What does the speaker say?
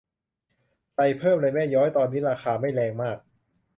ใส่เพิ่มเลยแม่ย้อย ตอนนี้ราคาไม่แรงมาก